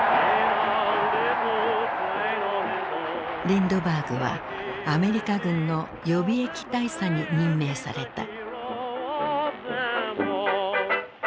リンドバーグはアメリカ軍の予備役大佐に任命された。